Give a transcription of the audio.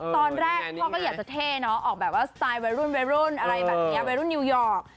ตอนแรกพ่อก็อยากจะเท่เนาะออกแบบว่าสไตล์วัยรุ่นวัยรุ่นอะไรแบบนี้วัยรุ่นนิวยอร์ก